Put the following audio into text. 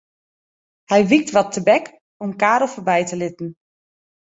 Hy wykt wat tebek om Karel foarby te litten.